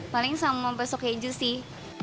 paling sama besok keju sih